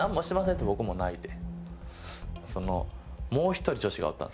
って僕も泣いて。